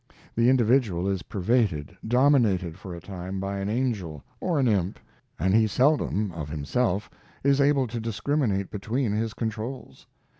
The individual is pervaded, dominated for a time by an angel or an imp, and he seldom, of himself, is able to discriminate between his controls.